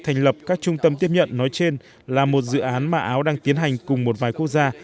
thành lập các trung tâm tiếp nhận nói trên là một dự án mà áo đang tiến hành cùng một vài quốc gia